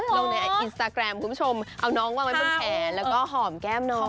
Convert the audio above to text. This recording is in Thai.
ลงในอินสตาแกรมคุณผู้ชมเอาน้องวางไว้บนแขนแล้วก็หอมแก้มน้อง